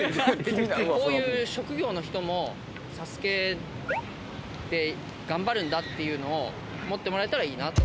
こういう職業の人も『ＳＡＳＵＫＥ』で頑張るんだっていうのを思ってもらえたらいいなと。